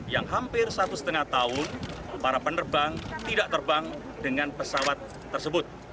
yang hampir satu setengah tahun para penerbang tidak terbang dengan pesawat tersebut